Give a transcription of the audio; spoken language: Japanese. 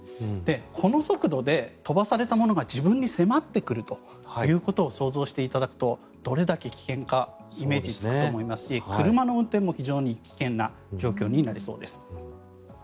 この速度で飛ばされたものが自分に迫ってくるということを想像していただくとどれだけ危険かイメージがつくと思いますし車の運転も危険な状況になりそうです。